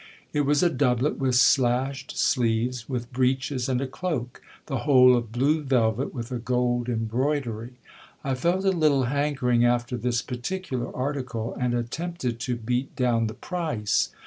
It was a doublet with slashed sleeves, with breeches and a cloak, the whole of blue velvet with a gold embroidery. I felt a little hankering after this particular article, and attempted to beat down the price.